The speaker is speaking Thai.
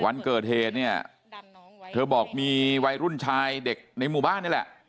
วันเกิดเหตุเนี่ยเธอบอกมีวัยรุ่นชายเด็กในหมู่บ้านนี่แหละ